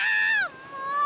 もう。